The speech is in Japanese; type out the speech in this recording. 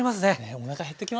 おなか減ってきますね。